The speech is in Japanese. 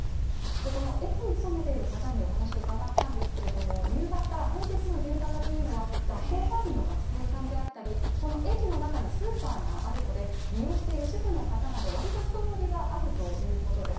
この駅に勤めている方にお話を伺ったんですけれども、平日の夕方というのは学校帰りの学生さんであったり、この駅の中にスーパーがあるので、利用している主婦の方など割と人どおりはあるということです。